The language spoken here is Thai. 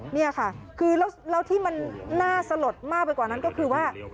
นี่ค่ะคือแล้วที่มันน่าสลดมากไปกว่านั้นก็คือว่า